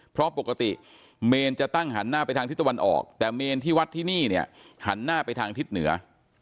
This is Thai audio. เพราะปกติเมนจะตั้งหันหน้าไปทางทิศตะวันออกแต่เมนที่วัดที่นี่เนี่ยหันหน้าไปทางทิศเหนือ